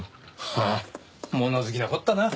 はあもの好きなこったな。